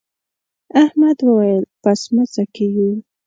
احمد وويل: په سمڅه کې یو.